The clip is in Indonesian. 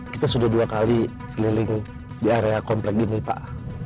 kita sudah dua kali keliling di area komplek ini pak